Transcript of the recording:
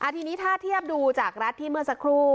ทีนี้ถ้าเทียบดูจากรัฐที่เมื่อสักครู่